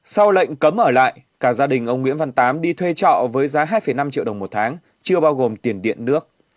sau lệnh cấm ở lại cả gia đình ông nguyễn văn tám đi thuê trọ với giá hai năm triệu đồng một tháng chưa bao gồm tiền điện nước